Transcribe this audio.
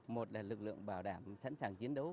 một là lực lượng bảo đảm sẵn sàng chiến đấu